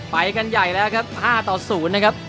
ไปกันใหญ่แล้วครับห้าต่อศูนย์นะครับ